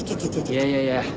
いやいやいや。